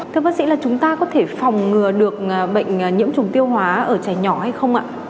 thưa bác sĩ là chúng ta có thể phòng ngừa được bệnh nhiễm trùng tiêu hóa ở trẻ nhỏ hay không ạ